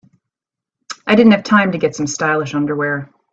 I didn't have time to get some stylish underwear.